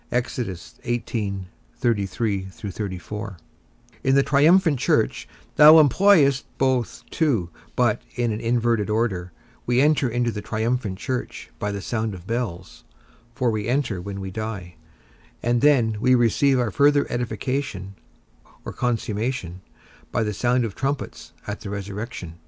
In the triumphant church, thou employest both too, but in an inverted order; we enter into the triumphant church by the sound of bells (for we enter when we die); and then we receive our further edification, or consummation, by the sound of trumpets at the resurrection.